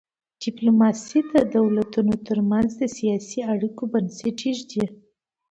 ډیپلوماسي د دولتونو ترمنځ د سیاسي اړیکو بنسټ ایږدي.